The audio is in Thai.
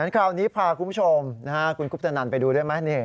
คราวนี้พาคุณผู้ชมคุณคุปตนันไปดูได้ไหม